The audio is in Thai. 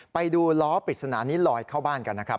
ไปดูล้อปริศนานี้ลอยเข้าบ้านกันนะครับ